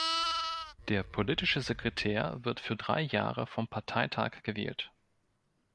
Der politische Sekretär wird für drei Jahre vom Parteitag gewählt.